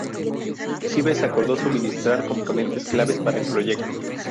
Hives acordó suministrar componentes claves para el proyecto.